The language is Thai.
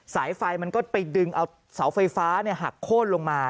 สายไฟมันก็ไปดึงเอาเสาไฟฟ้าหักโค้นลงมา